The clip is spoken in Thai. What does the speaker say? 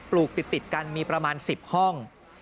ลูกติดกันมีประมาณ๑๐ห้อง